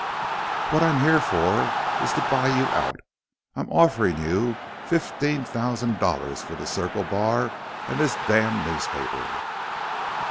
What I'm here for is to buy you out. I'm offering you fifteen thousand dollars for the Circle Bar and this damn newspaper."